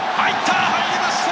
入った！